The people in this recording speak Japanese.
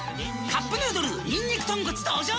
「カップヌードルにんにく豚骨」登場！